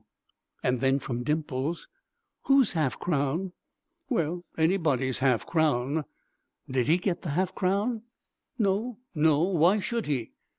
And then from Dimples: "Whose half crown?" "Well, anybody's half crown." "Did he get the half crown?" "No, no; why should he?"